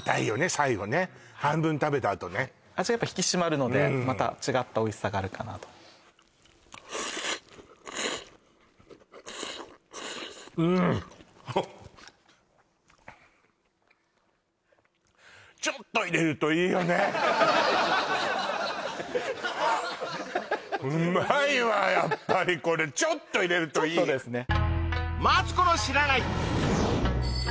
最後ね半分食べたあとね味がやっぱ引き締まるのでまた違ったおいしさがあるかなとうんっホッうまいわやっぱりこれちょっとですね